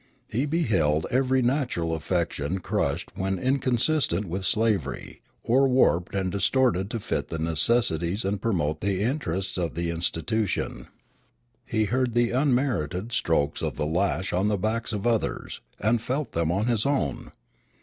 He beheld every natural affection crushed when inconsistent with slavery, or warped and distorted to fit the necessities and promote the interests of the institution. He heard the unmerited strokes of the lash on the backs of others, and felt them on his own.